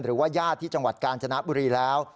หรือว่าญาติที่จังหวัดกาญจนบุรีแล้ว